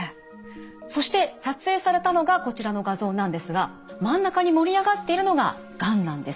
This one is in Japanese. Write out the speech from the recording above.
そして撮影されたのがこちらの画像なんですが真ん中に盛り上がっているのががんなんです。